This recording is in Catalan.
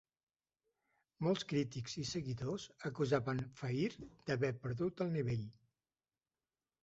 Molts crítics i seguidors acusaven Phair d'haver perdut el nivell.